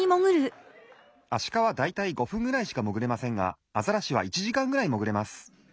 アシカはだいたい５ふんぐらいしかもぐれませんがアザラシは１じかんぐらいもぐれます。